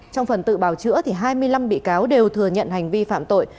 trong phần tự bào chữa thì hai mươi năm bị cáo đều thừa nhận hành vi phạm tội